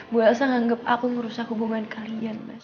bu elsa menganggap aku merusak hubungan kalian mas